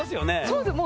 そうです。